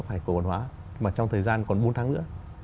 phải cổ quản hóa mà trong thời gian còn bốn tháng nữa